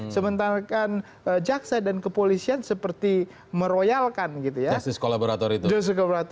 sementara jaksa dan kepolisian seperti meroyalkan justice collaborator